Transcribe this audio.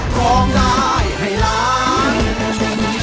ร้องได้ให้ล้าน